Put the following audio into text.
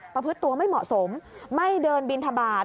ประพฤติตัวไม่เหมาะสมไม่เดินบินทบาท